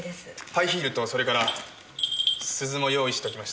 ハイヒールとそれから鈴も用意しときました。